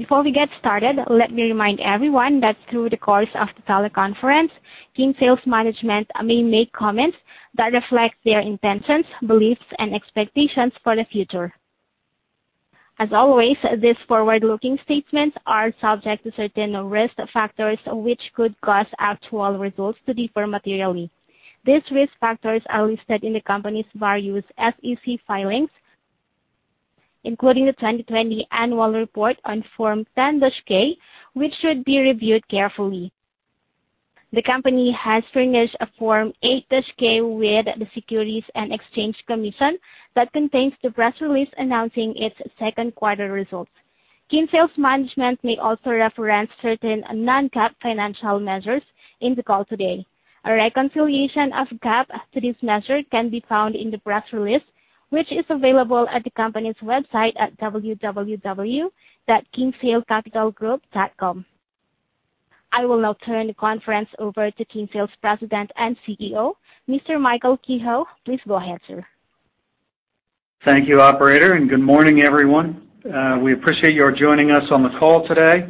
Before we get started, let me remind everyone that through the course of the teleconference, Kinsale's management may make comments that reflect their intentions, beliefs, and expectations for the future. As always, these forward-looking statements are subject to certain risk factors which could cause actual results to differ materially. These risk factors are listed in the company's various SEC filings, including the 2020 Annual Report on Form 10-K, which should be reviewed carefully. The company has furnished Form 8-K with the Securities and Exchange Commission that contains the press release announcing its second quarter results. Kinsale's management may also reference certain non-GAAP financial measures in the call today. A reconciliation of GAAP to these measures can be found in the press release, which is available at the company's website at www.kinsalecapitalgroup.com. I will now turn the conference over to Kinsale's President and CEO, Mr. Michael Kehoe. Please go ahead, sir. Thank you, Operator, and good morning, everyone. We appreciate your joining us on the call today.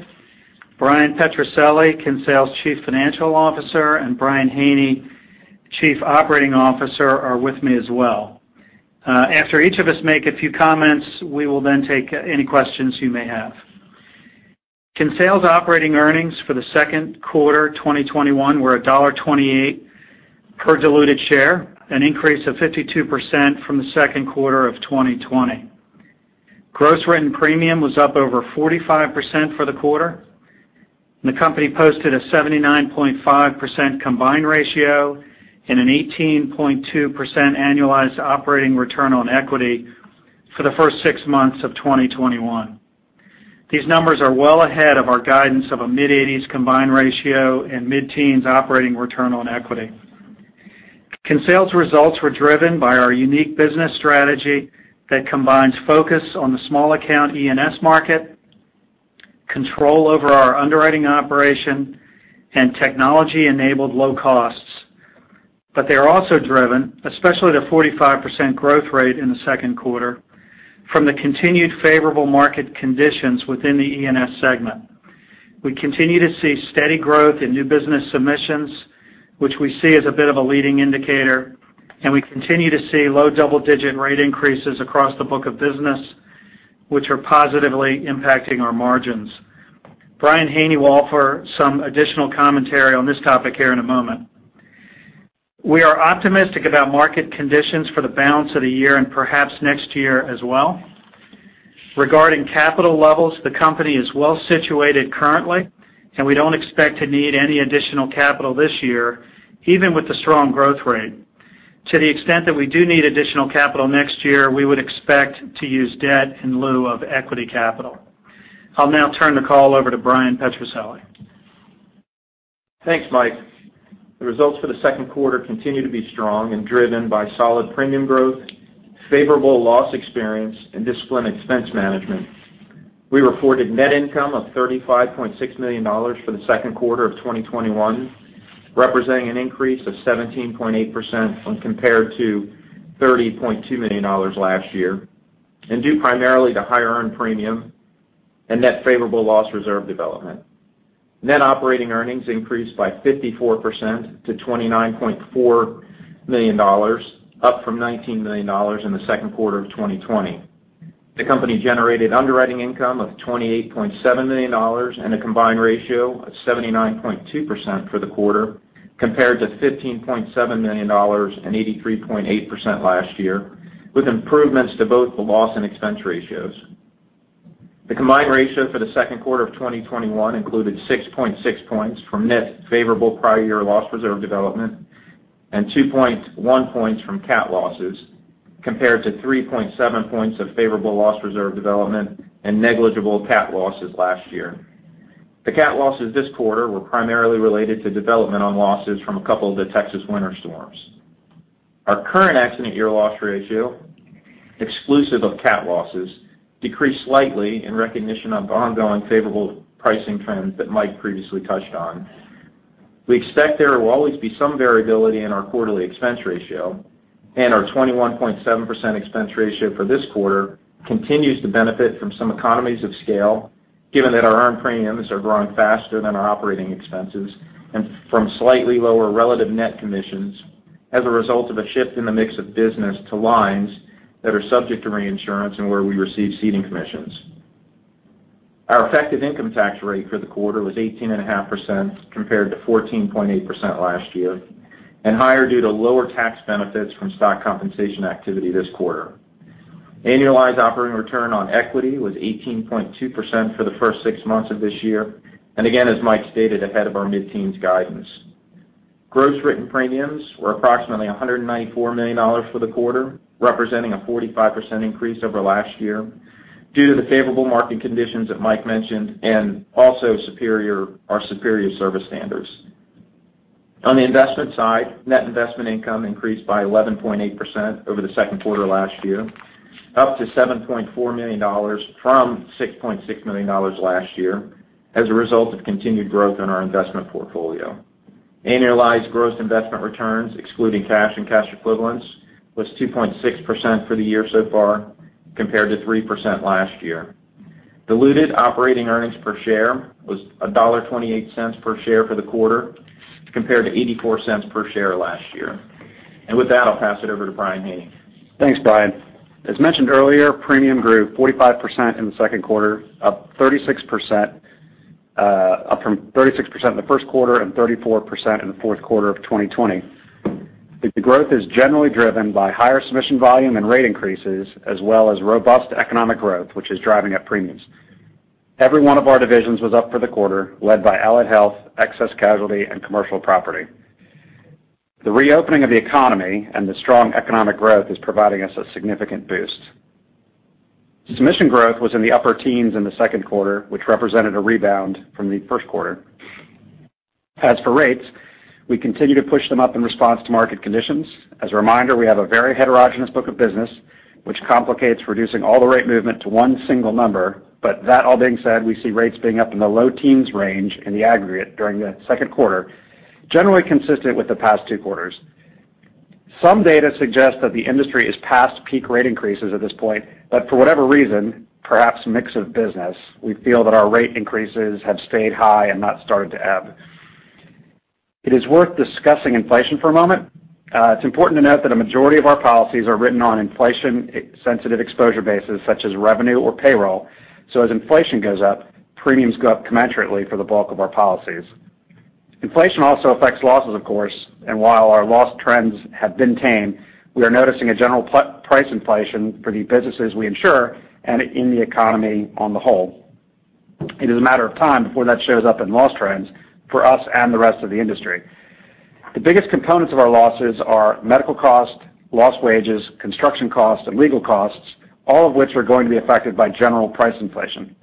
Brian Petrucelli, Kinsale's Chief Financial Officer, and Brian Haney, Chief Operating Officer, are with me as well. After each of us make a few comments, we will then take any questions you may have. Kinsale's operating earnings for the second quarter 2021 were $1.28 per diluted share, an increase of 52% from the second quarter of 2020. Gross written premium was up over 45% for the quarter. The company posted a 79.5% combined ratio and an 18.2% annualized operating return on equity for the first six months of 2021. These numbers are well ahead of our guidance of a mid-80s combined ratio and mid-teens operating return on equity. Kinsale's results were driven by our unique business strategy that combines focus on the small account E&S market, control over our underwriting operation, and technology-enabled low costs. They are also driven, especially the 45% growth rate in the second quarter, from the continued favorable market conditions within the E&S segment. We continue to see steady growth in new business submissions, which we see as a bit of a leading indicator, and we continue to see low double-digit rate increases across the book of business, which are positively impacting our margins. Brian Haney will offer some additional commentary on this topic here in a moment. We are optimistic about market conditions for the balance of the year and perhaps next year as well. Regarding capital levels, the company is well situated currently, and we don't expect to need any additional capital this year, even with the strong growth rate. To the extent that we do need additional capital next year, we would expect to use debt in lieu of equity capital. I'll now turn the call over to Bryan Petrucelli. Thanks, Mike. The results for the second quarter continue to be strong and driven by solid premium growth, favorable loss experience, and disciplined expense management. We reported net income of $35.6 million for the second quarter of 2021, representing an increase of 17.8% when compared to $30.2 million last year, and due primarily to higher earned premium and net favorable loss reserve development. Net operating earnings increased by 54% to $29.4 million, up from $19 million in the second quarter of 2020. The company generated underwriting income of $28.7 million and a combined ratio of 79.2% for the quarter, compared to $15.7 million and 83.8% last year, with improvements to both the loss and expense ratios. The combined ratio for the second quarter of 2021 included 6.6 points from net favorable prior year loss reserve development and 2.1 points from cap losses, compared to 3.7 points of favorable loss reserve development and negligible cap losses last year. The cap losses this quarter were primarily related to development on losses from a couple of the Texas winter storms. Our current accident year loss ratio, exclusive of cap losses, decreased slightly in recognition of ongoing favorable pricing trends that Mike previously touched on. We expect there will always be some variability in our quarterly expense ratio, and our 21.7% expense ratio for this quarter continues to benefit from some economies of scale, given that our earned premiums are growing faster than our operating expenses and from slightly lower relative net commissions as a result of a shift in the mix of business to lines that are subject to reinsurance and where we receive ceding commissions. Our effective income tax rate for the quarter was 18.5% compared to 14.8% last year, and higher due to lower tax benefits from stock compensation activity this quarter. Annualized operating return on equity was 18.2% for the first six months of this year, and again, as Mike stated, ahead of our mid-teens guidance. Gross written premiums were approximately $194 million for the quarter, representing a 45% increase over last year due to the favorable market conditions that Mike mentioned and also our superior service standards. On the investment side, net investment income increased by 11.8% over the second quarter last year, up to $7.4 million from $6.6 million last year as a result of continued growth in our investment portfolio. Annualized gross investment returns, excluding cash and cash equivalents, was 2.6% for the year so far, compared to 3% last year. Diluted operating earnings per share was $1.28 per share for the quarter, compared to $0.84 per share last year. With that, I'll pass it over to Brian Haney. Thanks, Brian. As mentioned earlier, premium grew 45% in the second quarter, up 36% in the first quarter, and 34% in the fourth quarter of 2020. The growth is generally driven by higher submission volume and rate increases, as well as robust economic growth, which is driving up premiums. Every one of our divisions was up for the quarter, led by Allied Health, Excess Casualty, and Commercial Property. The reopening of the economy and the strong economic growth is providing us a significant boost. Submission growth was in the upper teens in the second quarter, which represented a rebound from the first quarter. As for rates, we continue to push them up in response to market conditions. As a reminder, we have a very heterogeneous book of business, which complicates reducing all the rate movement to one single number. That all being said, we see rates being up in the low teens range in the aggregate during the second quarter, generally consistent with the past two quarters. Some data suggest that the industry is past peak rate increases at this point, but for whatever reason, perhaps mix of business, we feel that our rate increases have stayed high and not started to ebb. It is worth discussing inflation for a moment. It's important to note that a majority of our policies are written on inflation-sensitive exposure bases, such as revenue or payroll. As inflation goes up, premiums go up commensurately for the bulk of our policies. Inflation also affects losses, of course, and while our loss trends have been tame, we are noticing a general price inflation for the businesses we insure and in the economy on the whole. It is a matter of time before that shows up in loss trends for us and the rest of the industry. The biggest components of our losses are medical costs, lost wages, construction costs, and legal costs, all of which are going to be affected by general price inflation.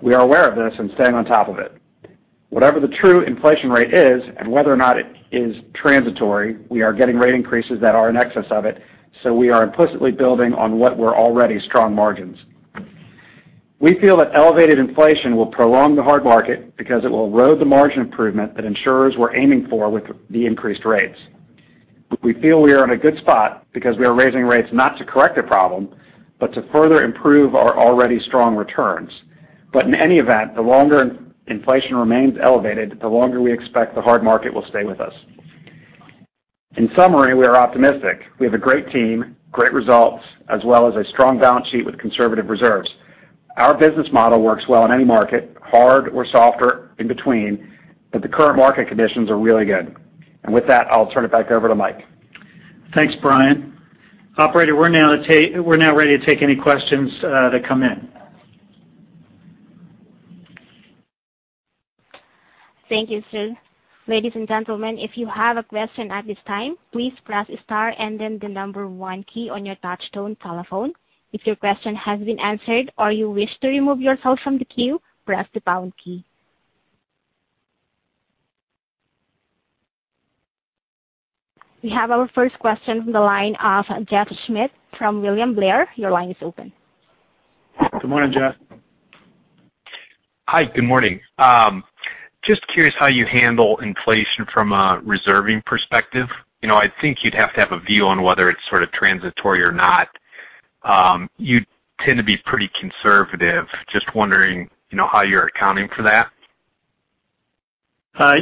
We are aware of this and staying on top of it. Whatever the true inflation rate is and whether or not it is transitory, we are getting rate increases that are in excess of it, so we are implicitly building on what were already strong margins. We feel that elevated inflation will prolong the hard market because it will erode the margin improvement that insurers were aiming for with the increased rates. We feel we are in a good spot because we are raising rates not to correct the problem, but to further improve our already strong returns. In any event, the longer inflation remains elevated, the longer we expect the hard market will stay with us. In summary, we are optimistic. We have a great team, great results, as well as a strong balance sheet with conservative reserves. Our business model works well in any market, hard or softer in between, but the current market conditions are really good. With that, I'll turn it back over to Mike. Thanks, Brian. Operator, we're now ready to take any questions that come in. Thank you, sir. Ladies and gentlemen, if you have a question at this time, please press star and then the number one key on your touch-tone telephone. If your question has been answered or you wish to remove yourself from the queue, press the pound key. We have our first question from the line of Jeff Schmidt from William Blair. Your line is open. Good morning, Jeff. Hi, good morning. Just curious how you handle inflation from a reserving perspective. I think you'd have to have a view on whether it's sort of transitory or not. You tend to be pretty conservative. Just wondering how you're accounting for that.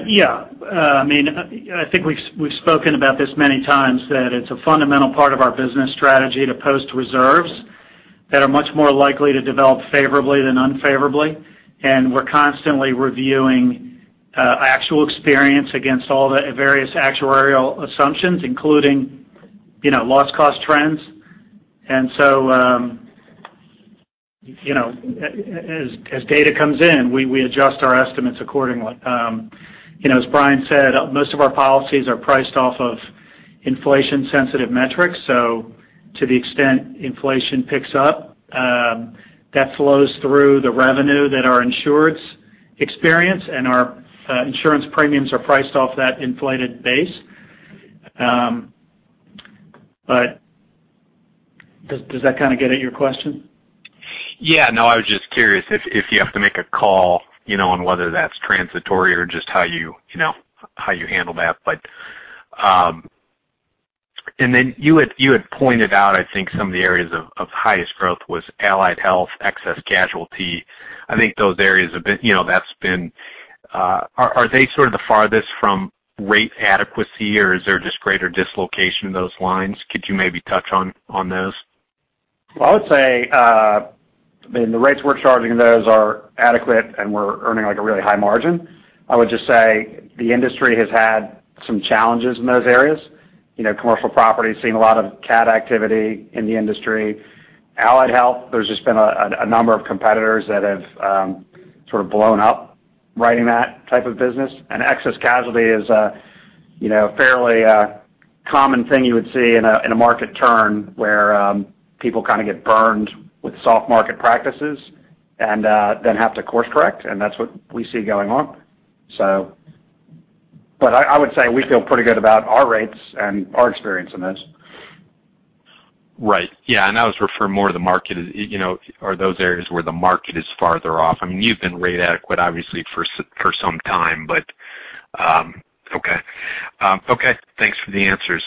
Yeah. I mean, I think we've spoken about this many times, that it's a fundamental part of our business strategy to post reserves that are much more likely to develop favorably than unfavorably. We're constantly reviewing actual experience against all the various actuarial assumptions, including loss-cost trends. As data comes in, we adjust our estimates accordingly. As Brian said, most of our policies are priced off of inflation-sensitive metrics. To the extent inflation picks up, that flows through the revenue that our insureds experience, and our insurance premiums are priced off that inflated base. Does that kind of get at your question? Yeah. No, I was just curious if you have to make a call on whether that's transitory or just how you handle that. You had pointed out, I think, some of the areas of highest growth was Allied Health, Excess Casualty. I think those areas have been—that's been—are they sort of the farthest from rate adequacy, or is there just greater dislocation in those lines? Could you maybe touch on those? I would say, I mean, the rates we're charging, those are adequate, and we're earning a really high margin. I would just say the industry has had some challenges in those areas. Commercial Property has seen a lot of CAT activity in the industry. Allied Health, there's just been a number of competitors that have sort of blown up writing that type of business. Excess Casualty is a fairly common thing you would see in a market turn where people kind of get burned with soft market practices and then have to course-correct, and that's what we see going on. I would say we feel pretty good about our rates and our experience in those. Right. Yeah. I was referring more to the market. Are those areas where the market is farther off? I mean, you've been rate adequate, obviously, for some time, but okay. Okay. Thanks for the answers.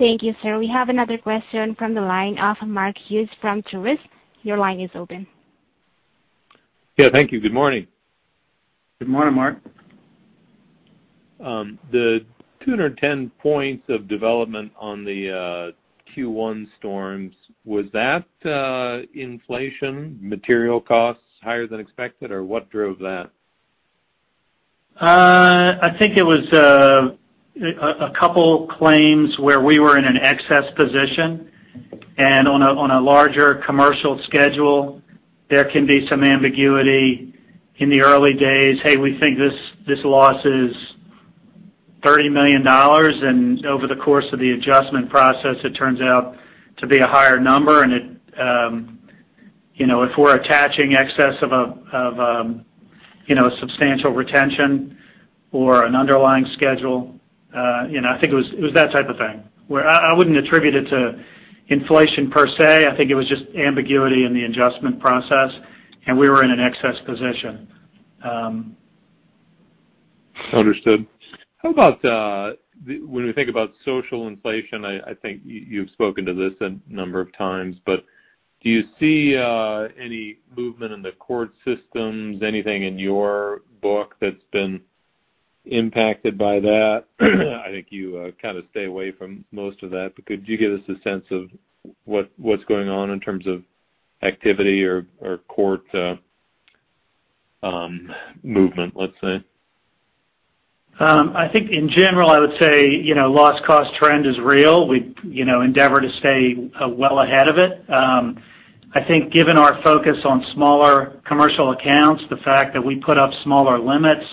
Thank you, sir. We have another question from the line of Mark Hughes from Truist. Your line is open. Yeah. Thank you. Good morning. Good morning, Mark. The 210 points of development on the Q1 storms, was that inflation, material costs higher than expected, or what drove that? I think it was a couple of claims where we were in an excess position. On a larger commercial schedule, there can be some ambiguity in the early days. Hey, we think this loss is $30 million, and over the course of the adjustment process, it turns out to be a higher number. If we're attaching excess of a substantial retention or an underlying schedule, I think it was that type of thing. I wouldn't attribute it to inflation per se. I think it was just ambiguity in the adjustment process, and we were in an excess position. Understood. How about when we think about social inflation? I think you've spoken to this a number of times, but do you see any movement in the court systems, anything in your book that's been impacted by that? I think you kind of stay away from most of that, but could you give us a sense of what's going on in terms of activity or court movement, let's say? I think in general, I would say loss-cost trend is real. We endeavor to stay well ahead of it. I think given our focus on smaller commercial accounts, the fact that we put up smaller limits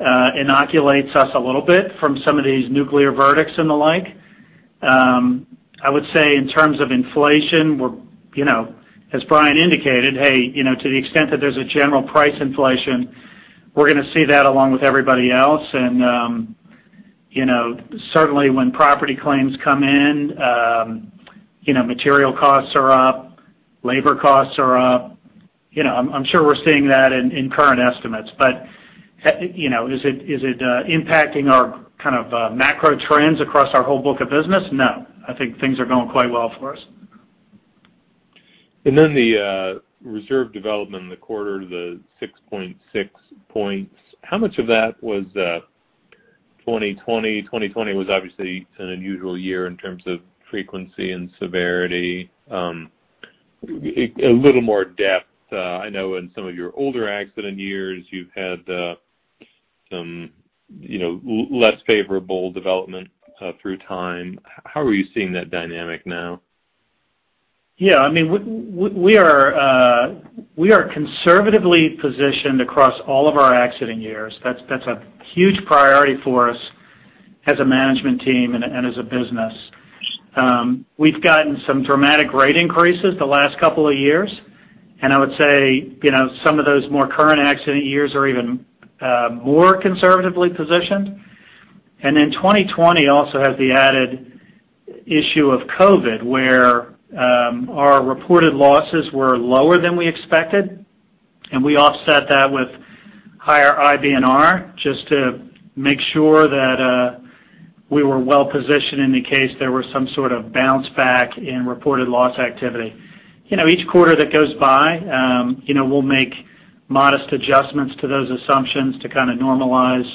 inoculates us a little bit from some of these nuclear verdicts and the like. I would say in terms of inflation, as Brian indicated, hey, to the extent that there's a general price inflation, we're going to see that along with everybody else. Certainly when property claims come in, material costs are up, labor costs are up. I'm sure we're seeing that in current estimates. Is it impacting our kind of macro trends across our whole book of business? No. I think things are going quite well for us. The reserve development in the quarter of the 6.6 points, how much of that was 2020? 2020 was obviously an unusual year in terms of frequency and severity. A little more depth. I know in some of your older accident years, you've had some less favorable development through time. How are you seeing that dynamic now? Yeah. I mean, we are conservatively positioned across all of our accident years. That's a huge priority for us as a management team and as a business. We've gotten some dramatic rate increases the last couple of years, and I would say some of those more current accident years are even more conservatively positioned. 2020 also has the added issue of COVID, where our reported losses were lower than we expected, and we offset that with higher IBNR just to make sure that we were well positioned in the case there was some sort of bounce back in reported loss activity. Each quarter that goes by, we'll make modest adjustments to those assumptions to kind of normalize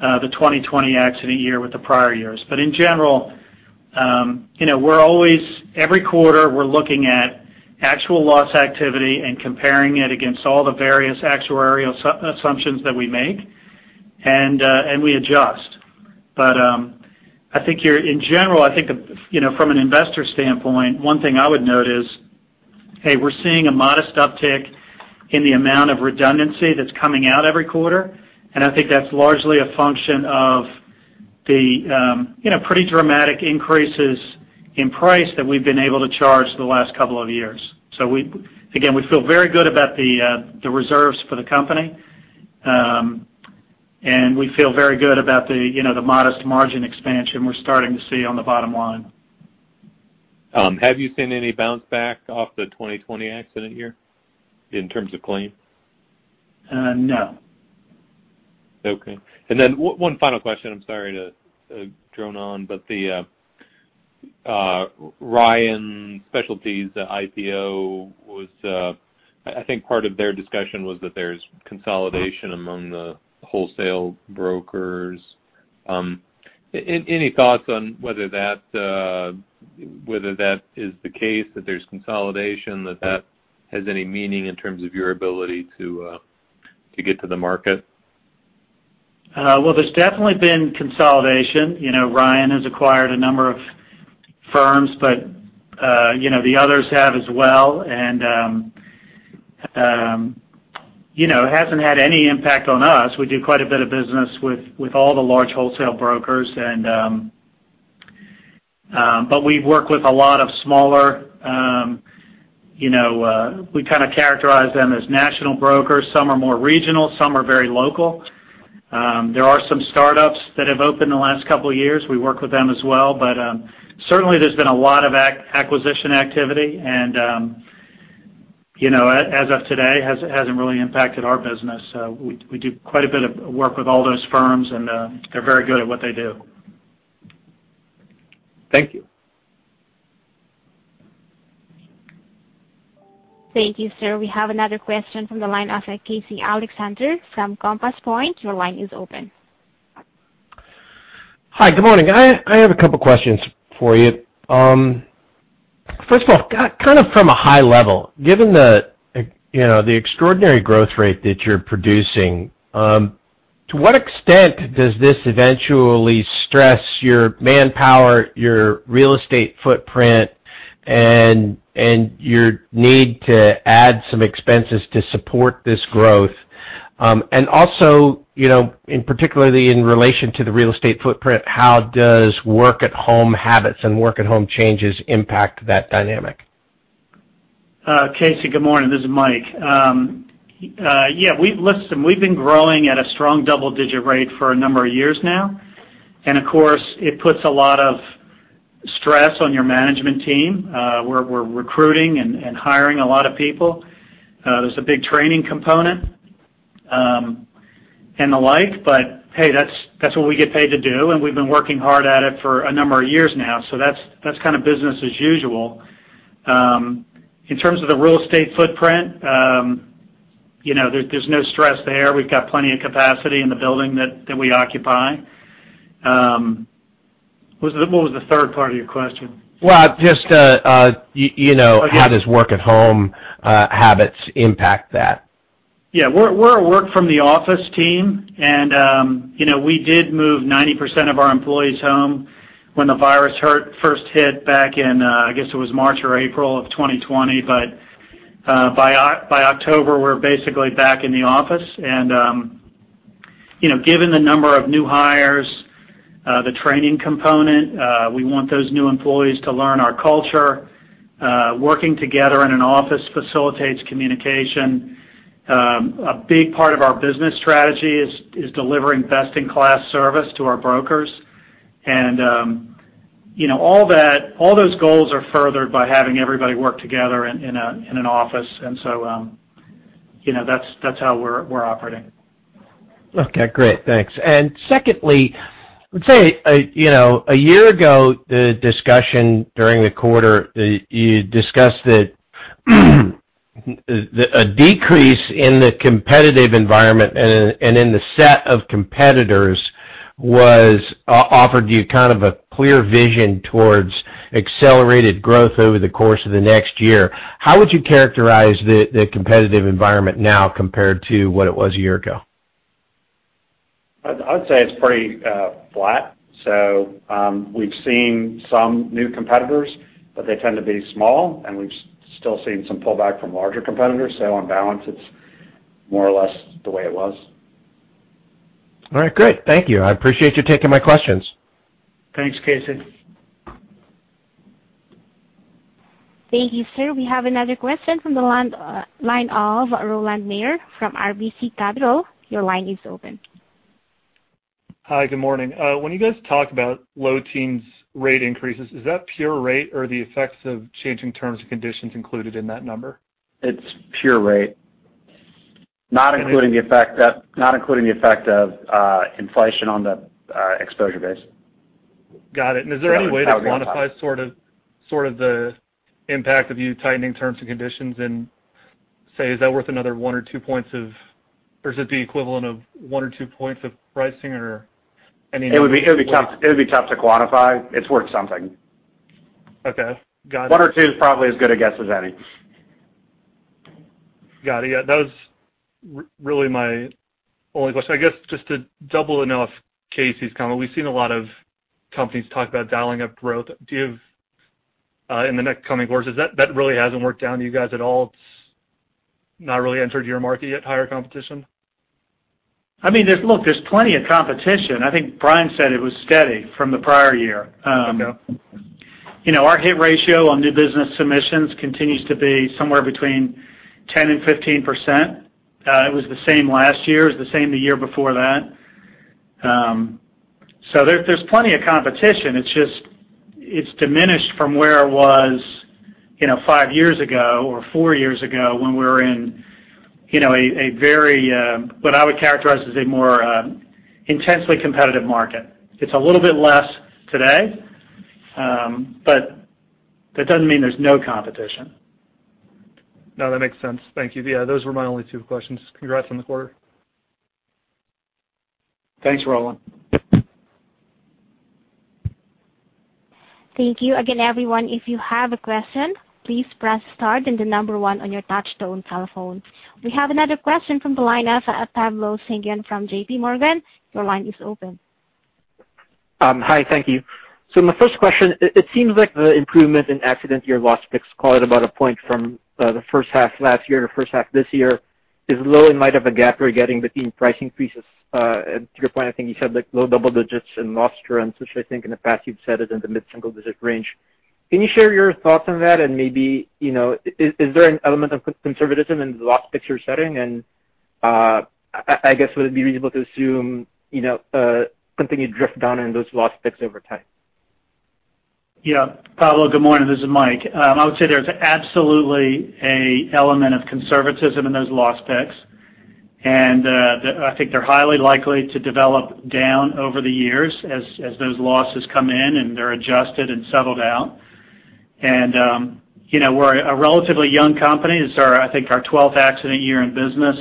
the 2020 accident year with the prior years. In general, every quarter, we're looking at actual loss activity and comparing it against all the various actuarial assumptions that we make, and we adjust. I think in general, I think from an investor standpoint, one thing I would note is, hey, we're seeing a modest uptick in the amount of redundancy that's coming out every quarter, and I think that's largely a function of the pretty dramatic increases in price that we've been able to charge the last couple of years. Again, we feel very good about the reserves for the company, and we feel very good about the modest margin expansion we're starting to see on the bottom line. Have you seen any bounce back off the 2020 accident year in terms of claim? No. Okay. One final question. I'm sorry to drone on, but the Ryan Specialty Group IPO was, I think part of their discussion was that there's consolidation among the wholesale brokers. Any thoughts on whether that is the case, that there's consolidation, that that has any meaning in terms of your ability to get to the market? There has definitely been consolidation. Ryan has acquired a number of firms, but the others have as well. It has not had any impact on us. We do quite a bit of business with all the large wholesale brokers, but we work with a lot of smaller. We kind of characterize them as national brokers. Some are more regional. Some are very local. There are some startups that have opened in the last couple of years. We work with them as well. Certainly, there has been a lot of acquisition activity, and as of today, it has not really impacted our business. We do quite a bit of work with all those firms, and they are very good at what they do. Thank you. Thank you, sir. We have another question from the line of Casey Alexander from Compass Point. Your line is open. Hi, good morning. I have a couple of questions for you. First of all, kind of from a high level, given the extraordinary growth rate that you're producing, to what extent does this eventually stress your manpower, your real estate footprint, and your need to add some expenses to support this growth? Also, particularly in relation to the real estate footprint, how does work-at-home habits and work-at-home changes impact that dynamic? Casey, good morning. This is Mike. Yeah, we've been growing at a strong double-digit rate for a number of years now. Of course, it puts a lot of stress on your management team. We're recruiting and hiring a lot of people. There's a big training component and the like. Hey, that's what we get paid to do, and we've been working hard at it for a number of years now. That's kind of business as usual. In terms of the real estate footprint, there's no stress there. We've got plenty of capacity in the building that we occupy. What was the third part of your question? How does work-at-home habits impact that? Yeah. We're a work-from-the-office team, and we did move 90% of our employees home when the virus first hit back in, I guess it was March or April of 2020. By October, we were basically back in the office. Given the number of new hires, the training component, we want those new employees to learn our culture. Working together in an office facilitates communication. A big part of our business strategy is delivering best-in-class service to our brokers. All those goals are furthered by having everybody work together in an office. That is how we're operating. Okay. Great. Thanks. Secondly, I would say a year ago, the discussion during the quarter, you discussed that a decrease in the competitive environment and in the set of competitors offered you kind of a clear vision towards accelerated growth over the course of the next year. How would you characterize the competitive environment now compared to what it was a year ago? I'd say it's pretty flat. We've seen some new competitors, but they tend to be small, and we've still seen some pullback from larger competitors. On balance, it's more or less the way it was. All right. Great. Thank you. I appreciate you taking my questions. Thanks, Casey. Thank you, sir. We have another question from the line of Rowland Mayor from RBC Capital. Your line is open. Hi, good morning. When you guys talk about low teens rate increases, is that pure rate or the effects of changing terms and conditions included in that number? It's pure rate, not including the effect of inflation on the exposure base. Got it. Is there any way to quantify sort of the impact of you tightening terms and conditions and say, "Is that worth another one or two points of, or is it the equivalent of one or two points of pricing or anything? It would be tough to quantify. It's worth something. Okay. Got it. One or two is probably as good a guess as any. Got it. Yeah. That was really my only question. I guess just to double to know if Casey's comment, we've seen a lot of companies talk about dialing up growth. Do you have, in the next coming quarters, that really hasn't worked down to you guys at all? It's not really entered your market yet, higher competition? I mean, look, there's plenty of competition. I think Brian said it was steady from the prior year. Our hit ratio on new business submissions continues to be somewhere between 10% and 15%. It was the same last year. It was the same the year before that. So there's plenty of competition. It's diminished from where it was five years ago or four years ago when we were in a very, what I would characterize as a more intensely competitive market. It's a little bit less today, but that doesn't mean there's no competition. No, that makes sense. Thank you. Yeah, those were my only two questions. Congrats on the quarter. Thanks, Roland. Thank you. Again, everyone, if you have a question, please press star and the number one on your touch-tone telephone. We have another question from the line of Pablo Singzon from JP Morgan. Your line is open. Hi, thank you. My first question, it seems like the improvement in accident year loss picks, quite about a point from the first half last year to first half this year, is low in light of a gap we're getting between price increases. To your point, I think you said low double digits in loss trends, which I think in the past you've said is in the mid-single digit range. Can you share your thoughts on that? Maybe is there an element of conservatism in the loss picture setting? I guess would it be reasonable to assume a continued drift down in those loss picks over time? Yeah. Pablo, good morning. This is Mike. I would say there's absolutely an element of conservatism in those loss picks. I think they're highly likely to develop down over the years as those losses come in and they're adjusted and settled out. We're a relatively young company. This is, I think, our 12th accident year in business.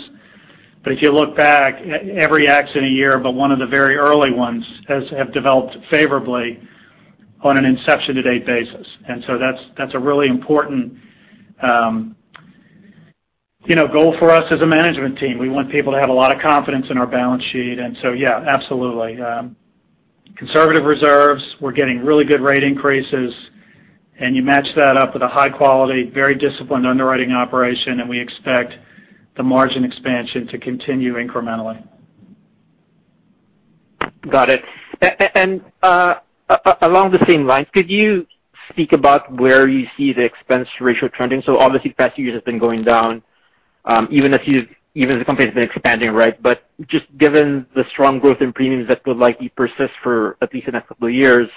If you look back, every accident year but one of the very early ones have developed favorably on an inception-to-date basis. That's a really important goal for us as a management team. We want people to have a lot of confidence in our balance sheet. Yeah, absolutely. Conservative reserves, we're getting really good rate increases. You match that up with a high-quality, very disciplined underwriting operation, and we expect the margin expansion to continue incrementally. Got it. Along the same lines, could you speak about where you see the expense ratio trending? Obviously, the past few years have been going down, even as the company has been expanding, right? Just given the strong growth in premiums that would likely persist for at least the next couple of years,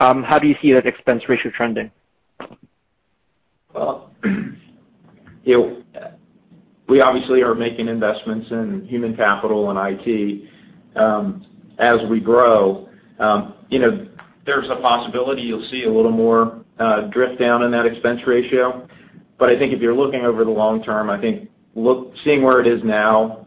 how do you see that expense ratio trending? We obviously are making investments in human capital and IT as we grow. There is a possibility you will see a little more drift down in that expense ratio. I think if you are looking over the long term, I think seeing where it is now,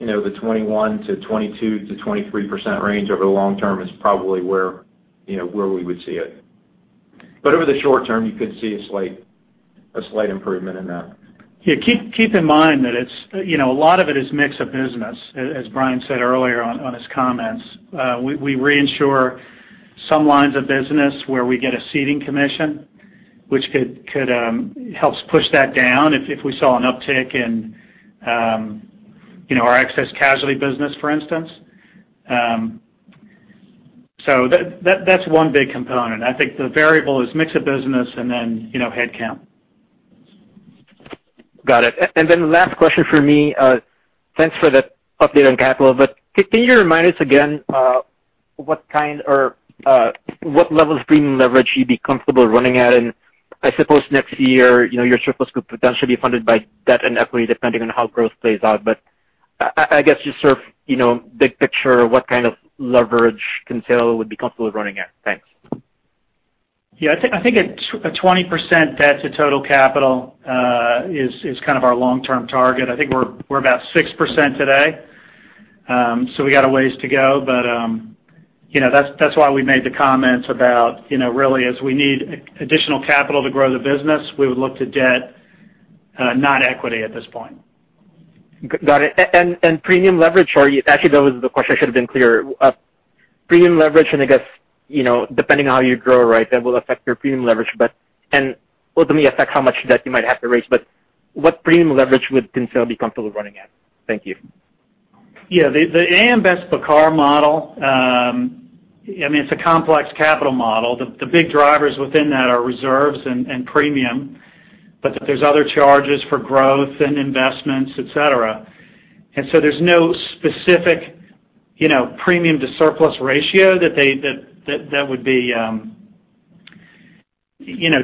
the 21-22-23% range over the long term is probably where we would see it. Over the short term, you could see a slight improvement in that. Yeah. Keep in mind that a lot of it is mixed business, as Brian said earlier on his comments. We reinsure some lines of business where we get a ceding commission, which helps push that down if we saw an uptick in our excess casualty business, for instance. That is one big component. I think the variable is mixed business and then headcount. Got it. The last question for me, thanks for the update on capital, but can you remind us again what level of premium leverage you'd be comfortable running at? I suppose next year, your surplus could potentially be funded by debt and equity depending on how growth plays out. I guess just sort of big picture, what kind of leverage Kinsale would be comfortable running at? Thanks. Yeah. I think a 20% debt to total capital is kind of our long-term target. I think we're about 6% today. We got a ways to go. That is why we made the comments about really, as we need additional capital to grow the business, we would look to debt, not equity at this point. Got it. Premium leverage, sorry, actually, that was the question. I should have been clearer. Premium leverage, and I guess depending on how you grow, right, that will affect your premium leverage and ultimately affect how much debt you might have to raise. What premium leverage would Kinsale be comfortable running at? Thank you. Yeah. The AM Best-Pacar model, I mean, it's a complex capital model. The big drivers within that are reserves and premium, but there's other charges for growth and investments, etc. There's no specific premium to surplus ratio that would be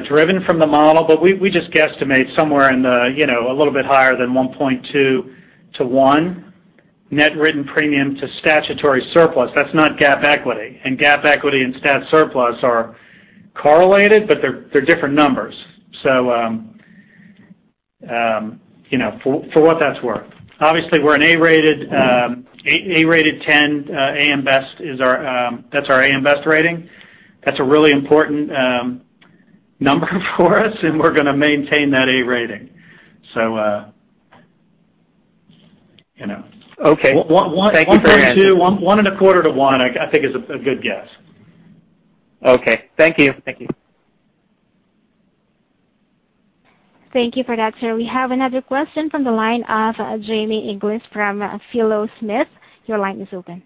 driven from the model. We just guesstimate somewhere in the a little bit higher than 1.2 to 1 net written premium to statutory surplus. That's not GAAP equity. GAAP equity and stat surplus are correlated, but they're different numbers. For what that's worth, obviously, we're an A-rated 10. AM Best is our that's our AM Best rating. That's a really important number for us, and we're going to maintain that A rating. Okay. One and a quarter to two, one and a quarter to one, I think, is a good guess. Okay. Thank you. Thank you. Thank you for that, sir. We have another question from the line of Jamie Inglis from Philo Smith. Your line is open.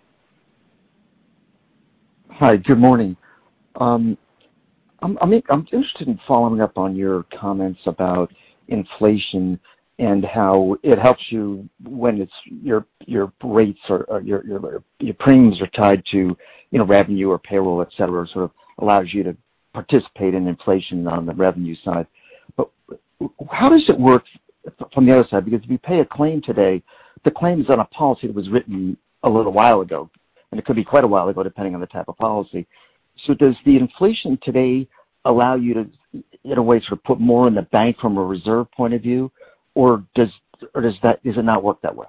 Hi, good morning. I'm interested in following up on your comments about inflation and how it helps you when your rates or your premiums are tied to revenue or payroll, etc., sort of allows you to participate in inflation on the revenue side. How does it work from the other side? Because if you pay a claim today, the claim is on a policy that was written a little while ago, and it could be quite a while ago depending on the type of policy. Does the inflation today allow you to, in a way, sort of put more in the bank from a reserve point of view, or does it not work that way?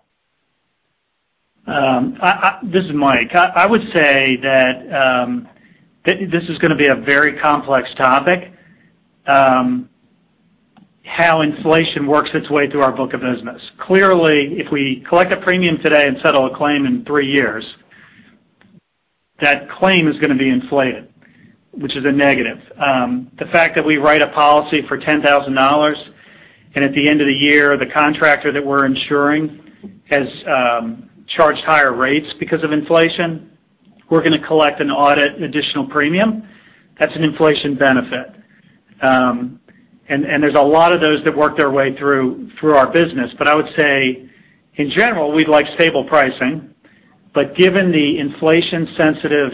This is Mike. I would say that this is going to be a very complex topic, how inflation works its way through our book of business. Clearly, if we collect a premium today and settle a claim in three years, that claim is going to be inflated, which is a negative. The fact that we write a policy for $10,000, and at the end of the year, the contractor that we're insuring has charged higher rates because of inflation, we're going to collect an audit additional premium, that's an inflation benefit. There are a lot of those that work their way through our business. I would say, in general, we'd like stable pricing. Given the inflation-sensitive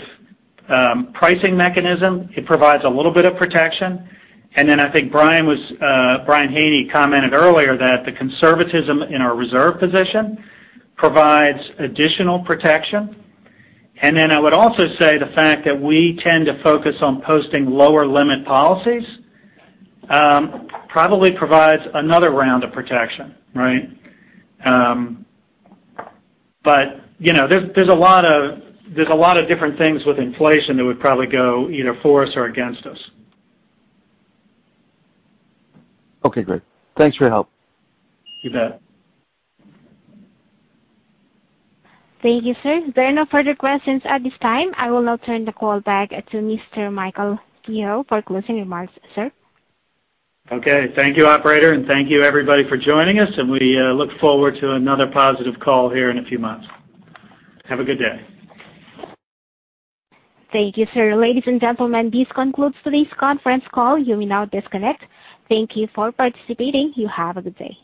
pricing mechanism, it provides a little bit of protection. I think Brian Haney commented earlier that the conservatism in our reserve position provides additional protection. I would also say the fact that we tend to focus on posting lower limit policies probably provides another round of protection, right? There are a lot of different things with inflation that would probably go either for us or against us. Okay. Great. Thanks for your help. You bet. Thank you, sir. There are no further questions at this time. I will now turn the call back to Mr. Michael Kehoe for closing remarks, sir. Okay. Thank you, operator, and thank you, everybody, for joining us. We look forward to another positive call here in a few months. Have a good day. Thank you, sir. Ladies and gentlemen, this concludes today's conference call. You may now disconnect. Thank you for participating. You have a good day.